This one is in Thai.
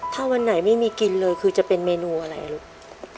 ถ้าวันไหนไม่มีกินเลยคือจะเป็นเมนูอะไรลูก